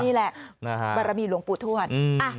นี่แหละบารมีหลวงปู่ทวด